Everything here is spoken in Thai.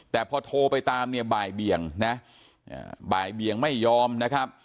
แต่พอโทรไปตามเนี่ยบ่ายเบียงนะบ่ายเบียงไม่ยอมนะครับ